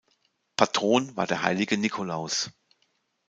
Patron war der Heilige Nikolaus.